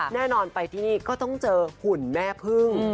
แน่นอนไปที่นี่ก็ต้องเจอหุ่นแม่พึ่ง